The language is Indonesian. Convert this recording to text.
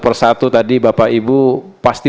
persatu tadi bapak ibu pasti